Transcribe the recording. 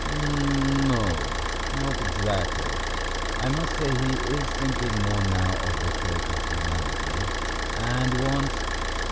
"N no, not exactly.... I must say he is thinking more now of the fate of humanity, and wants...."